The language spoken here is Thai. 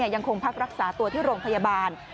ยังคงพักรักษาตัวที่โรงพยาบาล